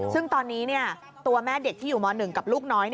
ซึ่งตอนนี้ตัวแม่เด็กที่อยู่ม๑กับลูกน้อย